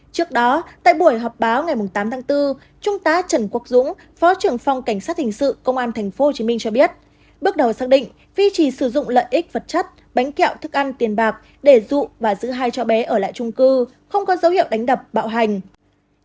trước đó tại buổi họp báo ngày tám tháng bốn trung tá trần quốc dũng phó trưởng phòng cảnh sát hình sự công an tp hcm cho biết bước đầu xác định duy trì sử dụng lợi ích vật chất bánh kẹo thức ăn tiền bạc để dụ và giữ hai cho bé ở lại trung cư không có dấu hiệu đánh đập bạo hành